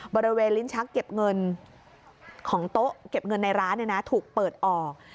บริเวณลิ้นชักเก็บเงินของโต๊ะเก็บเงินในร้านถูกเปิดออก